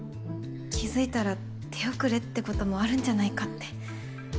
気付いたら手遅れってこともあるんじゃないかって。